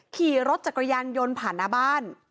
ขี่รถจักรยานยนต์ผ่านหน้าบ้าน